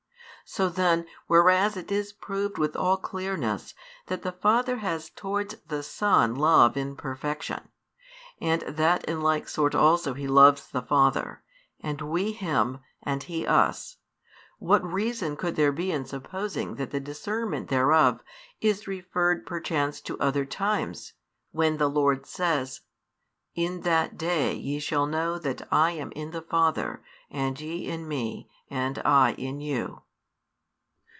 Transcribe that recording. So then, whereas it is proved with all clearness that the Father has towards the Son love in perfection, and that in like sort also He loves the Father, and we Him and He us, what reason could there be in supposing that the discernment thereof is referred perchance to other times, when the Lord says: In that day ye shall know that I am in the Father, and ye in Me, and I in you.